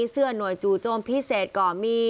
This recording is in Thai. เสื้อนวยจูบโจมพิเศษข่อมี